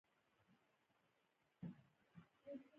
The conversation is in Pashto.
پامیر د افغانانو د فرهنګي پیژندنې برخه ده.